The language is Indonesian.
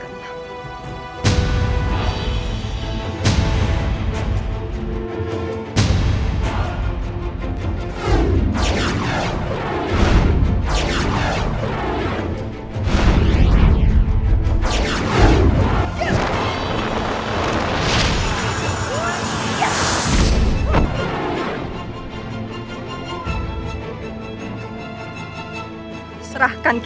pastinya bucklebox sudah terlepas